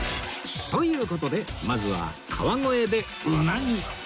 という事でまずは川越でうなぎ